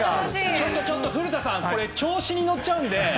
ちょっとちょっと古田さん調子に乗っちゃうので！